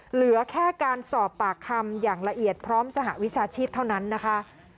เหลือแค่การสอบปากคำอย่างละเอียดพร้อมสหวิชาชีพเท่านั้นนะคะ